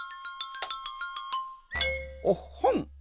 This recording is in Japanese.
おっほん！